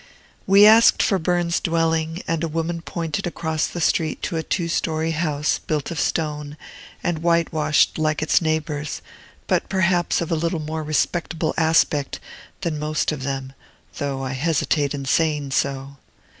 We asked for Burns's dwelling; and a woman pointed across the street to a two story house, built of stone, and whitewashed, like its neighbors, but perhaps of a little more respectable aspect than most of them, though I hesitate in saying so.